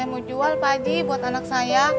saya mau jual pak haji buat anak saya